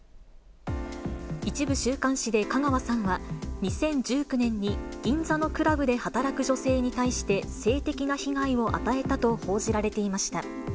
一部週刊誌で香川さんは、２０１９年に、銀座のクラブで働く女性に対して、性的な被害を与えたと報じられていました。